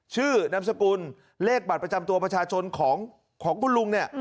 ชื่อนำสกุลเลขบัตรประจำตัวประชาชนของคุณลุง